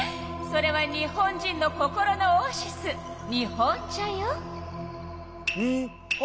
それは日本人の心のオアシス日本茶よ。